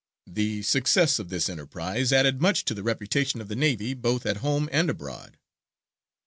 The success of this enterprise added much to the reputation of the navy, both at home and abroad.